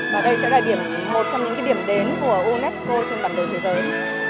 và đây sẽ là điểm một trong những điểm đến của unesco trên bản đồ thế giới